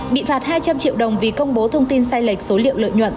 bị phạt hai trăm linh triệu đồng vì công bố thông tin sai lệch số liệu lợi nhuận